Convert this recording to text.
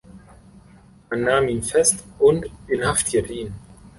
Man nahm ihn fest und inhaftierte ihn.